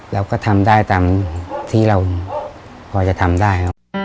เราก็ทำได้ตามที่เราควรจะทำได้